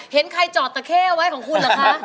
เห็นใครจอดตะเข้ไว้ของคุณเหรอคะ